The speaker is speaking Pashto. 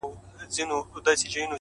• ساقي نن دي زما نوبت ته څنګه پام سو ,